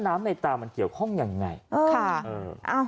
น้ำในตามันเกี่ยวข้องยังไง